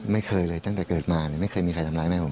ไม่เคยเลยตั้งแต่เกิดมาไม่เคยมีใครทำร้ายแม่ผม